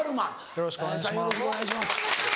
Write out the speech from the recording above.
よろしくお願いします。